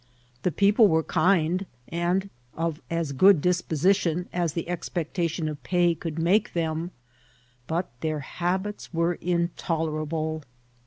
The people were kind and of as good disposition as the expectation of pay could make them, but their habits were intolerable.